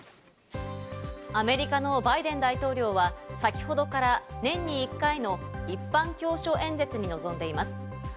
アメリカのバイデン大統領は先ほどから年に１回の一般教書演説に臨んでいます。